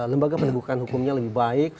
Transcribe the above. lembaga penegakan hukumnya lebih baik